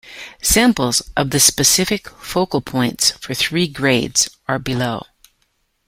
Samples of the specific focal points for three grades are below.